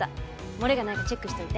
漏れがないかチェックしといて。